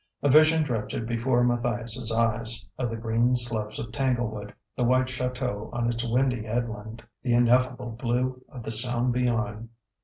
A vision drifted before Matthias' eyes, of the green slopes of Tanglewood, the white château on its windy headland, the ineffable blue of the Sound beyond....